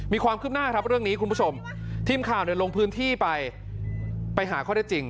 มีความคืบหน้าครับเรื่องนี้คุณผู้ชมทีมข่าวเนี่ยลงพื้นที่ไปไปหาข้อได้จริง